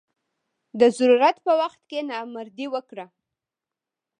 د ضرورت په وخت کې نامردي وکړه.